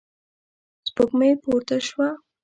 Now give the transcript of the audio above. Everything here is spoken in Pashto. سپوږمۍ پورته شوه.